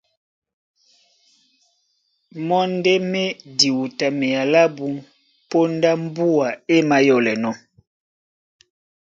Mɔ́ ndé má e diwutamea lábū póndá mbúa é mayɔ́lɛnɔ̄,